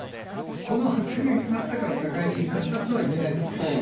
この発言があったから高市になったとは言えないと思いますよ。